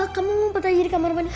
kamu ngumpet aja di kamar mana